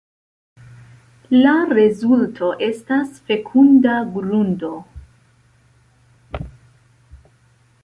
La rezulto estas fekunda grundo.